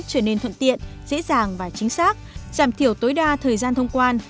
trở nên thuận tiện dễ dàng và chính xác giảm thiểu tối đa thời gian thông quan